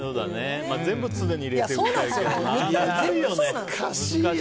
全部常に入れておきたいけどな。